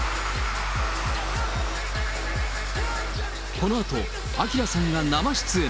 このあと、ＡＫＩＲＡさんが生出演。